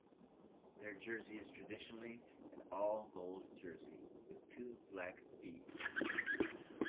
Their jersey is traditionally an all gold jersey with two black 'V's.